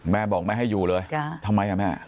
บอกไม่ให้อยู่เลยทำไมอ่ะแม่